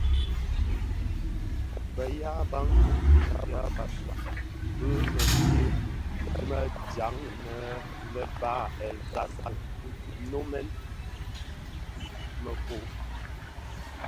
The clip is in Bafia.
Bë yaa Bantu (ya Bafia) bi mëfye më dyaň innë le bahr El Ghazal nnamonèn mëkoo.